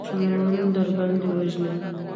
دښمن درباندې وژني.